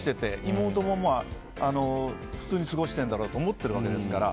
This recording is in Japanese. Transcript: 妹も普通に過ごしてるだろうと思ってるわけですから。